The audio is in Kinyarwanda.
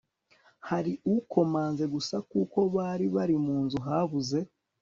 hari ukomanze gusa kuko bari bari mu nzu habuze